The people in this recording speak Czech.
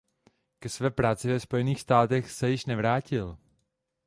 Ke své práci ve Spojených státech se již nevrátil.